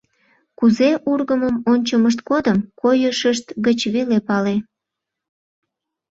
Кузе ургымым ончымышт годым койышышт гыч веле пале.